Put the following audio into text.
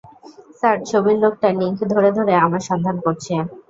Sir, ছবির লোকটা link ধরে, ধরে আমাদের সন্ধান করছে।